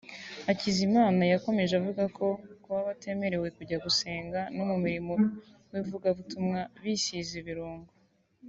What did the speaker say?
Hakizimana yakomeje avuga ko kuba batemerewe kujya gusenga no mu murimo w’ivugabutumwa bisize ibirungo